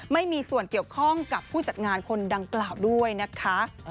ไม่มีส่วนเกี่ยวข้องกับผู้จัดงานคนดังกล่าวด้วยนะคะ